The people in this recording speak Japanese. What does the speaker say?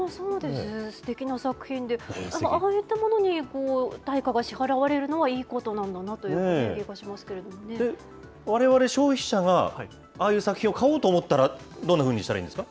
すてきな作品で、ああいったものに対価が支払われるのはいいことなんだなという気われわれ、消費者がああいう作品を買おうと思ったら、どんなふうにしたらいいんですか？